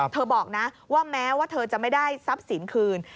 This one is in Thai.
บอกนะว่าแม้ว่าเธอจะไม่ได้ทรัพย์สินคืน